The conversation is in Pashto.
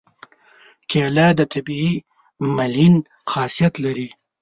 کېله د طبیعي ملین خاصیت لري.